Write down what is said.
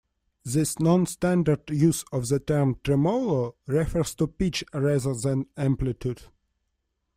This non-standard use of the term "tremolo" refers to pitch rather than amplitude.